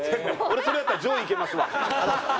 俺それやったら上位いけますわ。